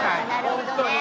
本当に。